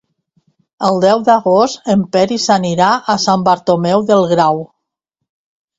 El deu d'agost en Peris anirà a Sant Bartomeu del Grau.